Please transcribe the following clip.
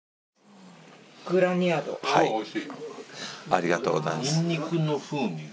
ありがとうございます。